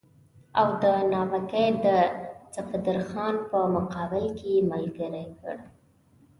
او د ناوګۍ د صفدرخان په مقابل کې یې ملګری کړ.